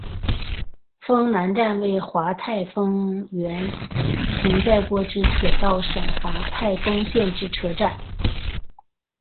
丰南站为桦太丰原市存在过之铁道省桦太东线之车站。